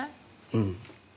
うん。